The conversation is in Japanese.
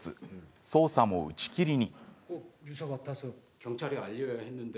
捜査も打ち切りに。